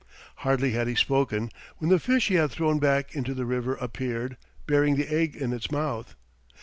Hardly had he spoken when the fish he had thrown back into the river appeared, bearing the egg in its mouth.